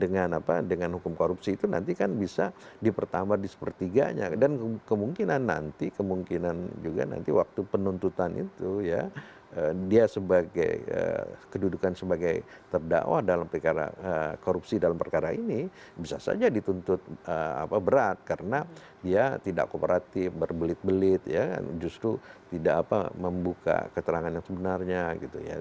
dengan apa dengan hukum korupsi itu nanti kan bisa dipertambah di sepertiganya dan kemungkinan nanti kemungkinan juga nanti waktu penuntutan itu ya dia sebagai kedudukan sebagai terdakwa dalam perikara korupsi dalam perkara ini bisa saja dituntut berat karena dia tidak kooperatif berbelit belit ya justru tidak apa membuka keterangan yang sebenarnya gitu ya